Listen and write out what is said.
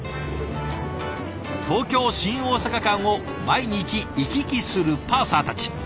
東京・新大阪間を毎日行き来するパーサーたち。